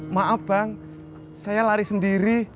maaf bang saya lari sendiri